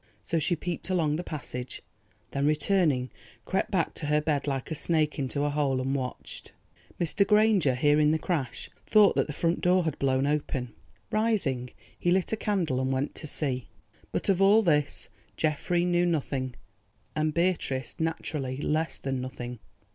So she peeped along the passage, then returning, crept back to her bed like a snake into a hole and watched. Mr. Granger, hearing the crash, thought that the front door had blown open. Rising, he lit a candle and went to see. But of all this Geoffrey knew nothing, and Beatrice naturally less than nothing.